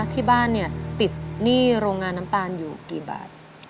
ที่บ้านเนี่ยติดหนี้โรงงานน้ำตาลอยู่กี่บาท